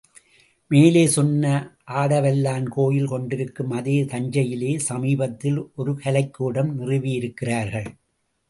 மேலே சொன்ன ஆடவல்லான் கோயில் கொண்டிருக்கும் அதே தஞ்சையிலே சமீபத்தில் ஒரு கலைக்கூடம் நிறுவியிருக்கிறார்கள்.